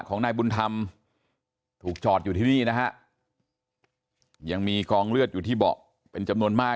ก็เห็นกันอยู่หลังแล้วมองมาจากพิการ